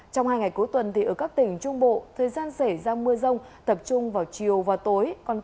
trong hai ngày cuối tuần thì ở các tỉnh trung bộ thời gian xảy ra mưa rông tập trung vào chiều và tối